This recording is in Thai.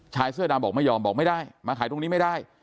ชายเสื้อดำบอกไม่ยอมบอกไม่ได้มาขายตรงนี้ไม่ได้